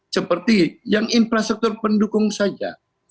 seperti yang infrastruktur pendukung saja